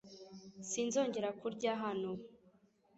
Sinzongera kurya hano .